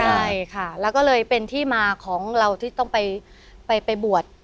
ใช่ค่ะแล้วก็เลยเป็นที่มาของเราที่ต้องไปบวช